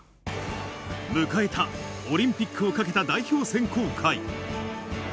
迎えたオリンピックをかけた代表選考会。